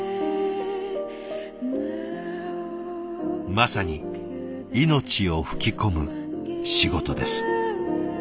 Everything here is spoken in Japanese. まさに命を吹き込む仕事です。